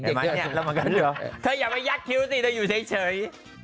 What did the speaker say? เธออย่าไปยัดคิ้วสิเธออยู่เฉย